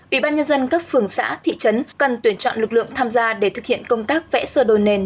ủy ban nhân dân các phường xã thị trấn cần tuyển chọn lực lượng tham gia để thực hiện công tác vẽ sơ đồ nền